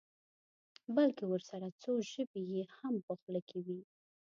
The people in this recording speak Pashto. بلکې ورسره څو ژبې یې هم په خوله کې وي.